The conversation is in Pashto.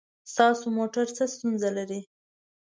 ستاسو موټر څه ستونزه لري؟